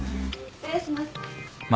失礼します。